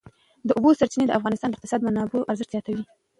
د اوبو سرچینې د افغانستان د اقتصادي منابعو ارزښت زیاتوي.